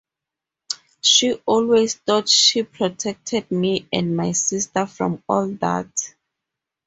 She always thought she protected me and my sister from all that.